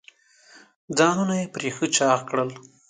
ځانونه یې پرې ښه چاغ کړل.